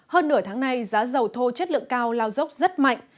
hơn nửa tháng nay giá dầu thô chất lượng cao lao dốc rất mạnh